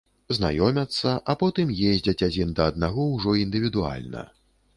Знаёмяцца, а потым ездзяць адзін да аднаго ўжо індывідуальна.